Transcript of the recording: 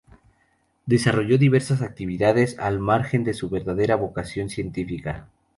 Desarrolló diversas actividades al margen de su verdadera vocación científica.